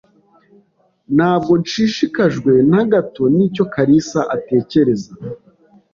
Ntabwo nshishikajwe na gato nicyo kalisa atekereza.